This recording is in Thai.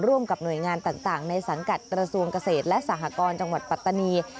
ร่วมกับหน่วยงานต่างในสังกัดกระทรวงเกษตรและสหกรจังหวัดปัตตานี